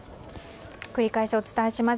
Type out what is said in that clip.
繰り返しお伝えします。